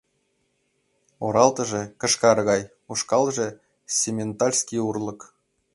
Оралтыже — кышкар гай, ушкалже симментальский урлык!